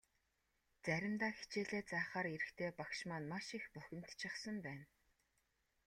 Заримдаа хичээлээ заахаар ирэхдээ багш маань маш их бухимдчихсан байна.